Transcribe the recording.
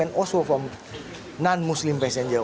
itu bagus sebenarnya